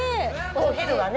お昼はね。